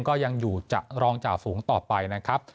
ก็ยังอยู่จะรองจ่าฝูงต่อไปนะครับ